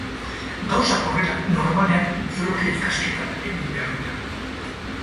Gauzak horrela, normalean biologia ikasketak egin behar dira.